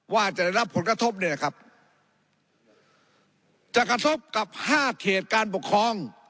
ว่าจะได้รับผลกระทบเนี่ยครับจะกระทบกับห้าเขตการปกครอง